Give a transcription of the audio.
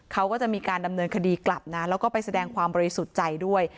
เขาก็จะมีการดำเนินคดีกลับนะแล้วก็ไปแสดงความบริสุทธิ์ใจด้วย